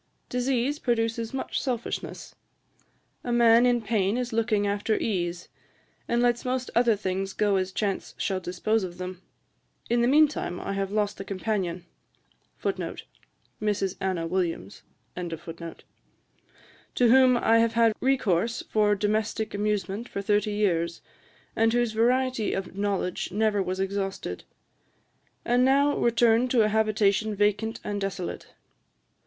Disease produces much selfishness. A man in pain is looking after ease; and lets most other things go as chance shall dispose of them. In the mean time I have lost a companion, to whom I have had recourse for domestick amusement for thirty years, and whose variety of knowledge never was exhausted; and now return to a habitation vacant and desolate.